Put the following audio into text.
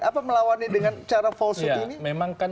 apa melawannya dengan cara falsehood ini